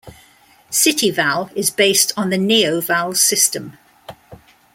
CityVal is based on the NeoVal system.